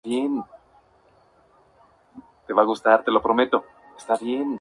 El single presentado con el disco fue "Il mostro".